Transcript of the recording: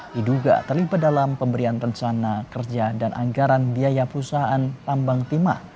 diduga terlibat dalam pemberian rencana kerja dan anggaran biaya perusahaan tambang timah